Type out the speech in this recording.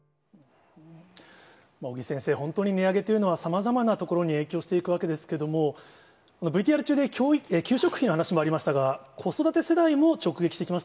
尾木先生、本当に値上げというのは、さまざまなところに影響していくわけですけれども、ＶＴＲ中で給食費の話もありましたが、子育て世代も直撃してきま